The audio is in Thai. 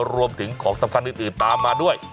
รวมถึงของสำคัญอื่นตามมาด้วย